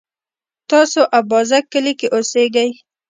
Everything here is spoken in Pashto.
تاسو اببازک کلي کی اوسیږئ؟